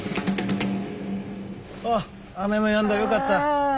あっ雨もやんだ。よかった。